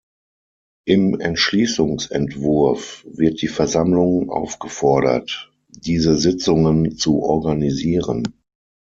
Im Entschließungsentwurf wird die Versammlung aufgefordert, diese Sitzungen zu organisieren.